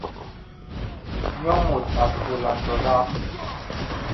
Nyɔ mut ag suulan tɔlaa.